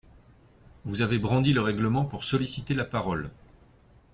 Vous avez brandi le règlement pour solliciter la parole.